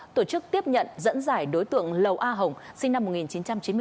tổ chức tiếp nhận dẫn giải đối tượng lầu a hồng sinh năm một nghìn chín trăm chín mươi bốn